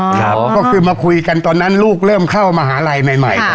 ก็คือมาคุยกันตอนนั้นลูกเริ่มเข้ามหาลัยใหม่ใหม่